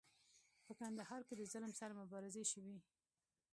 په کندهار کې د ظلم سره مبارزې شوي.